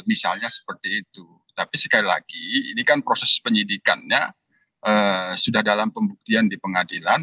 misalnya seperti itu tapi sekali lagi ini kan proses penyidikannya sudah dalam pembuktian di pengadilan